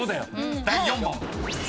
［第４問］